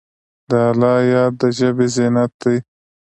د الله یاد د ژبې زینت دی.